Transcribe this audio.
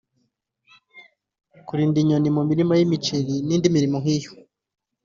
kurinda inyoni mu mirima y’imiceri n’indi mirimo nk’iyo